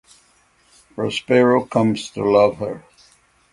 Prospero comes to love her.